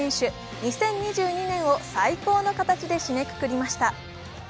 ２０２２年を最高の形で締めくくりました。